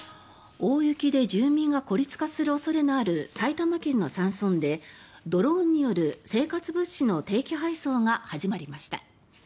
大雪で住民が孤立化する恐れのある埼玉県の山村でドローンによる生活物資の定期配送が始まりました。